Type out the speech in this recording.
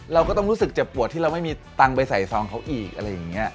เราก็ต้องรู้สึกเจ็บปวดที่เราไม่มีตังค์ไปใส่ซองเขาอีกอะไรอย่างนี้